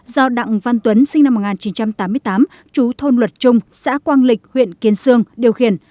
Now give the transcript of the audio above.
do đặng văn tuấn sinh năm một nghìn chín trăm tám mươi tám chú thôn luật trung xã quang lịch huyện kiến sương điều khiển